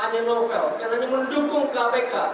novel bukan hanya mendukung kpk